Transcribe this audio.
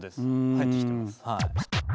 入ってきてます。